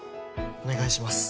お願いします！